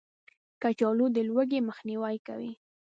کچالو د لوږې مخنیوی کوي